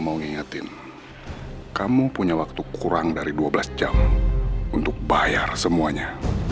mau ngingetin kamu punya waktu kurang dari dua belas jam untuk bayar semuanya